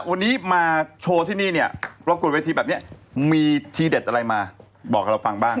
วันนี้มาโชว์ที่นี่เนี่ยปรากฏเวทีแบบนี้มีทีเด็ดอะไรมาบอกกับเราฟังบ้าง